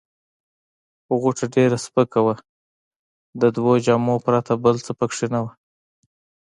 غوټه ډېره سپکه وه، د دوو جامو پرته بل څه پکښې نه وه.